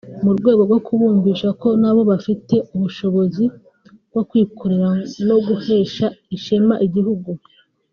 mu rwego rwo kubumvisha ko nabo bafite ubushobozi bwo kwikorera no guhesha ishema igihugu